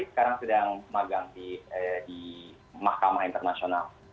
sekarang sedang magang di mahkamah internasional